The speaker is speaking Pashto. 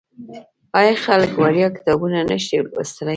آیا خلک وړیا کتابونه نشي لوستلی؟